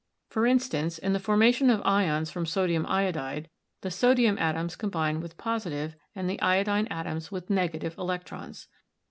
For instance, in the formation of ions from sodium iodide the sodium atoms combine with positive and the iodine atoms with negative electrons.